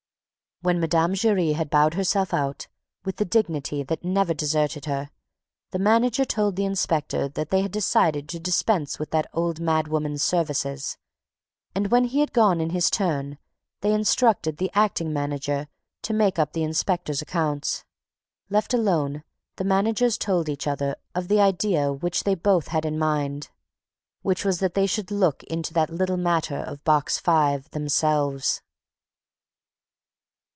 When Mme. Giry had bowed herself out, with the dignity that never deserted her, the manager told the inspector that they had decided to dispense with that old madwoman's services; and, when he had gone in his turn, they instructed the acting manager to make up the inspector's accounts. Left alone, the managers told each other of the idea which they both had in mind, which was that they should look into that little matter of Box Five themselves.